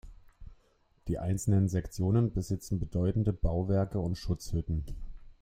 Die einzelnen Sektionen besitzen bedeutende Bauwerke und Schutzhütten.